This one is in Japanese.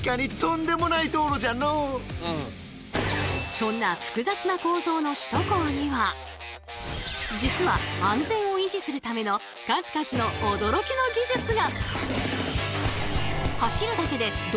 そんな複雑な構造の首都高には実は安全を維持するための数々の驚きの技術が！